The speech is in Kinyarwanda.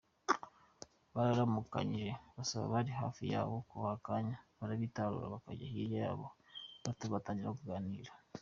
Bararamukanyije basaba abari hafi yabo kubaha akanya barabitarura bajya hirya yabo gato batangira kuganira.